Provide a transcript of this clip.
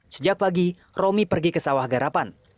sejak pagi romi pergi ke sawah garapan